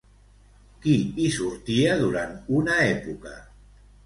Qui hi sortia durant una època?